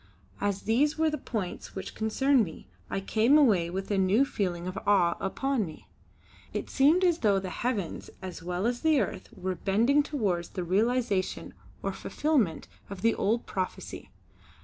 As these were the points which concerned me I came away with a new feeling of awe upon me. It seemed as though the heavens as well as the earth were bending towards the realisation or fulfillment of the old prophecy.